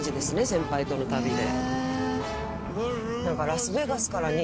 先輩との旅で。